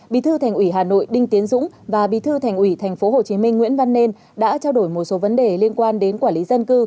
bí thư thành ủy hà nội đinh tiến dũng và bí thư thành ủy tp hcm nguyễn văn nên đã trao đổi một số vấn đề liên quan đến quản lý dân cư